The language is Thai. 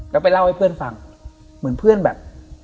แล้วไปเล่าให้เพื่อนฟังเหมือนเพื่อนแบบ